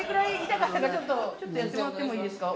やってもらってもいいですか？